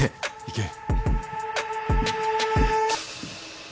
行け。